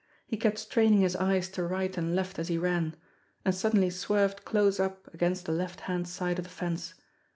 He kept straining his eyes to right and left as he ran and suddenly swerved close up against the left hand side of the fence.